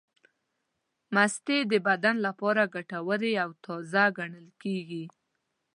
مستې د بدن لپاره ګټورې او تازې ګڼل کېږي.